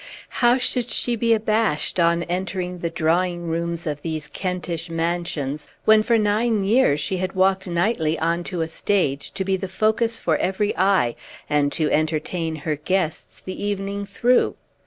How should she be abashed on entering the drawing rooms of these Kentish mansions, when for nine years she had walked nightly on to a stage to be the focus for every eye, and to entertain her guests the evening through?